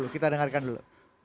kita dengarkan dulu